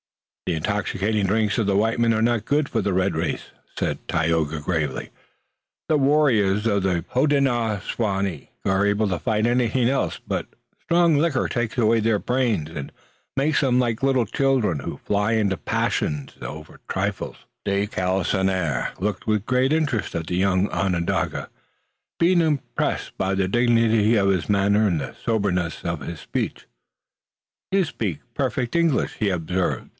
"The intoxicating drinks of the white men are not good for the red race," said Tayoga gravely. "The warriors of the Hodenosaunee are able to fight anything else, but strong liquors take away their brains and make them like little children who fly into passions over trifles." De Galisonnière looked with great interest at the young Onondaga, being impressed by the dignity of his manner and the soberness of his speech. "You speak perfect English," he observed.